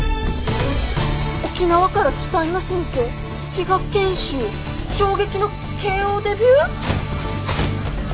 「沖縄から期待の新星比嘉賢秀、衝撃のＫＯデビュー」！？